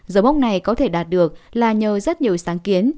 dấu mốc này có thể đạt được là nhờ rất nhiều sáng kiến